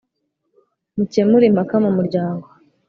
Mukemure impaka mu muryango .